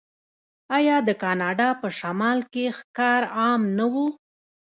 آیا د کاناډا په شمال کې ښکار عام نه و؟